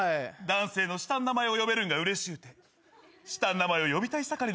男性の下の名前を呼べるんがうれしゅうて下の名前を呼びたい盛りのついた猿や。